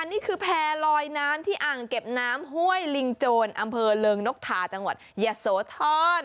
นี่คือแพร่ลอยน้ำที่อ่างเก็บน้ำห้วยลิงโจรอำเภอเริงนกทาจังหวัดยะโสธร